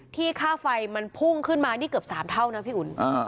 ค่าไฟมันพุ่งขึ้นมานี่เกือบ๓เท่านะพี่อุ๋น